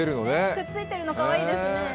くっついてるのかわいいですね。